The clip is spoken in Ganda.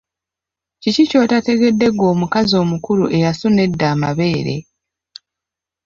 Kiki ky'otategedde ggwe omukazi omukulu eyasuna edda n'amabeere?